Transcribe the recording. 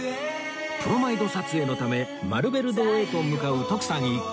プロマイド撮影のためマルベル堂へと向かう徳さん一行